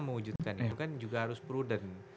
mewujudkan itu kan juga harus prudent